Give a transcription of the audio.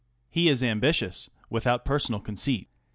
He is ambitious, without personal conceit.